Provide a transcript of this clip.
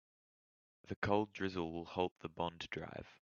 The cold drizzle will halt the bond drive.